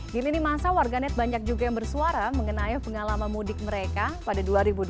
di lini masa warganet banyak juga yang bersuara mengenai pengalaman mudik mereka pada dua ribu dua puluh